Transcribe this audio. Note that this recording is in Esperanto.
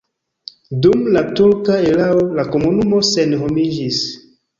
Dum la turka erao la komunumo senhomiĝis.